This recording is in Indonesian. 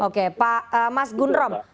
oke pak mas gundrom